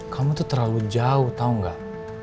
kamu tuh terlalu jauh tau gak